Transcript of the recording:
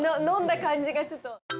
飲んだ感じがちょっと。